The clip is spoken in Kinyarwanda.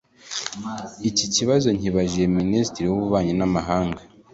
iki kibazo nkibajije minisitiri w'ububanyi n'amahanga